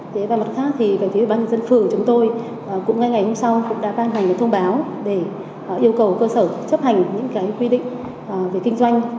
thế và mặt khác thì về phía bàn dân phường chúng tôi cũng ngay ngày hôm sau cũng đã ban hành một thông báo để yêu cầu cơ sở chấp hành những cái quy định về kinh doanh